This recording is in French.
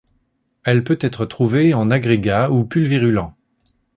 Elle peut être trouvée en agrégat ou pulvérulent.